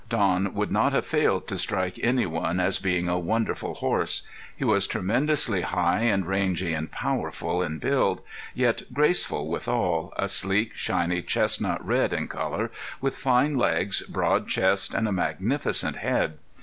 Don would not have failed to strike any one as being a wonderful horse. He was tremendously high and rangy and powerful in build, yet graceful withal, a sleek, shiny chestnut red in color, with fine legs, broad chest, and a magnificent head.